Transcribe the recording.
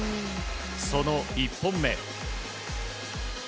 その１本目。